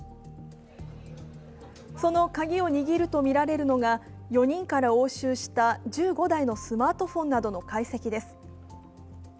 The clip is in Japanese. そのカギを握るとみられるのが４人から押収した１５台のスマートフォンなどの解析です。